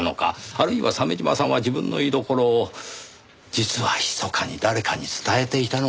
あるいは鮫島さんは自分の居所を実はひそかに誰かに伝えていたのかもしれない。